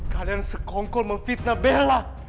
kalian sekongkol memfitnah bella